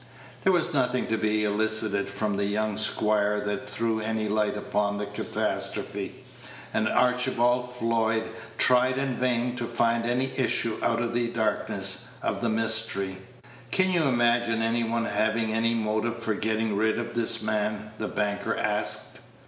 There was nothing to be elicited from the young squire that threw any light upon the catastrophe, and Archibald Floyd tried in vain to find any issue out of the darkness of the mystery. "Can you imagine any one having any motive for getting rid of this man?" the banker asked.